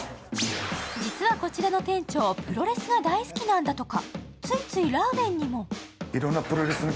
実はこちらの店長、プロレスが大好きなんだとか。